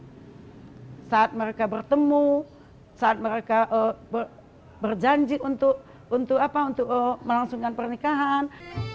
pada saat mereka bertemu saat mereka berjanji untuk melangsungkan pernikahan